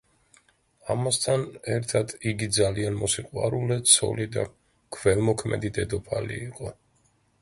ამასთან ერთად, იგი ძალიან მოსიყვარულე ცოლი და ქველმოქმედი დედოფალი იყო.